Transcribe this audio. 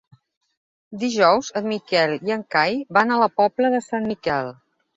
Dijous en Miquel i en Cai van a la Pobla de Sant Miquel.